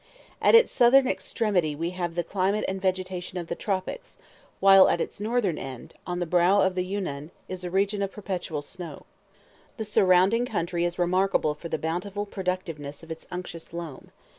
At its southern extremity we have the climate and vegetation of the tropics, while its northern end, on the brow of the Yunan, is a region of perpetual snow. The surrounding country is remarkable for the bountiful productiveness of its unctuous loam.